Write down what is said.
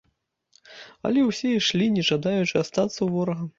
Але ўсе ішлі, не жадаючы астацца ў ворага.